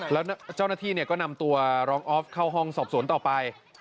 แล้วเจ้าหน้าที่ก็นำตัวรองออฟเข้าห้องสอบสวนต่อไป